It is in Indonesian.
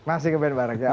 masih ngeband bareng